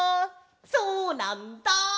そうなんだ！